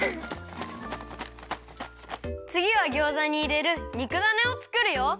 つぎはギョーザにいれるにくだねをつくるよ！